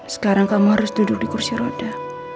sekarang kamu harus duduk di kursi roda